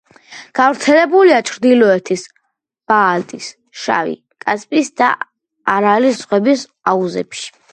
გავრცელებულია ჩრდილოეთის, ბალტიის, შავი, კასპიის და არალის ზღვების აუზებში.